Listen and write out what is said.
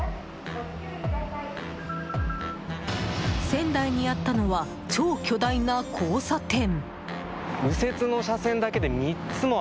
仙台にあったのは超巨大な交差点！